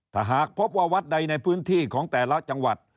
ถ้าหากพบว่าวัดใดในพื้นที่ของแต่ละจังหวัด